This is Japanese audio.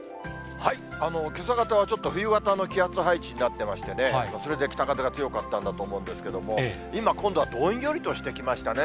けさ方はちょっと冬型の気圧配置になってましてね、それで北風が強かったんだと思うんですけれども、今、今度はどんよりとしてきましたね。